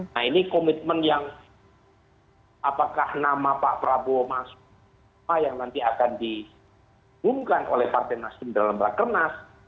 nah ini komitmen yang apakah nama pak prabowo masuk apa yang nanti akan dihubungkan oleh partai nasdem dalam rakernas